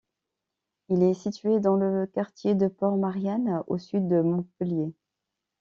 Il est situé dans le quartier de Port Marianne, au sud de Montpellier.